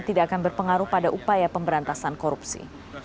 tidak akan berpengaruh pada upaya pemberantasan korupsi